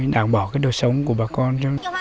đang bỏ cái đồ sống của bà con